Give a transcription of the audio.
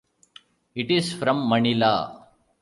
It is from Manila.